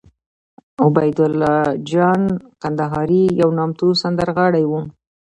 عبیدالله جان کندهاری یو نامتو سندرغاړی وو